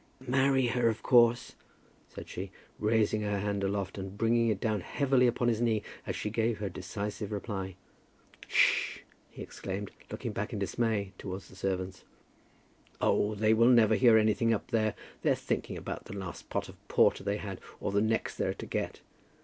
"Marry her, of course," said she, raising her hand aloft and bringing it down heavily upon his knee as she gave her decisive reply. "H sh h," he exclaimed, looking back in dismay towards the servants. "Oh, they never hear anything up there. They're thinking about the last pot of porter they had, or the next they're to get.